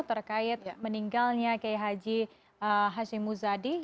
terkait meninggalnya kiai haji hashim muzadi